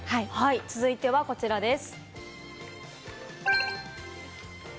続いてはこちらです。